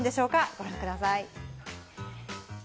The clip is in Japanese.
ご覧ください。